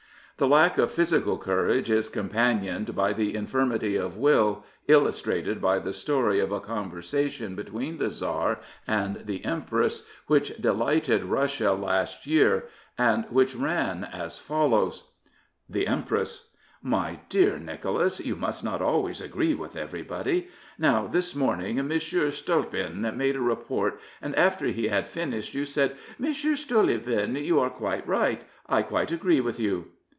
The lack of physical courage is companioned by the infirmity of will, illustrated by the story of a conversation between the Tsar and the Empress which delighted Russia last year, and which ran as follows: The Empress: My dear Nicholas, you must not always agree with everybody. Now, this morning M. Stolypin made a report, and after he had finished you said, '* M. Stolypin, you are quite right. I quite agree with you.